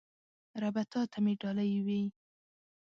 ربه تاته مې ډالۍ وی